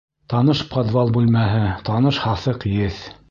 Таныш подвал бүлмәһе, таныш һаҫыҡ еҫ.